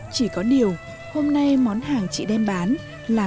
chỉ có điều hôm nay món hàng chị đem bán là